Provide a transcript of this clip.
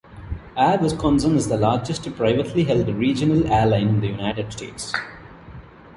Air Wisconsin is the largest privately held regional airline in the United States.